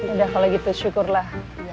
udah kalau gitu syukurlah